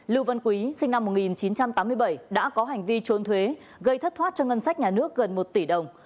lưu văn quý sinh năm một nghìn chín trăm tám mươi bảy đã có hành vi trốn thuế gây thất thoát cho ngân sách nhà nước gần một tỷ đồng